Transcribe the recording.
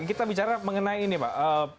kita bicara mengenai ini pak